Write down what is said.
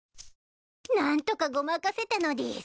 何とかごまかせたのでぃす。